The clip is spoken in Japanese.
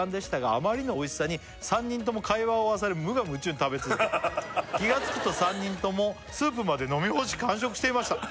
「あまりのおいしさに３人とも会話を忘れ」「無我夢中で食べ続け気がつくと３人とも」「スープまで飲み干し完食していました」